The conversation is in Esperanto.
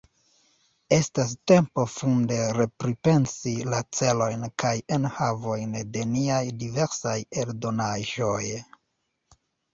Estas tempo funde repripensi la celojn kaj enhavojn de niaj diversaj eldonaĵoj.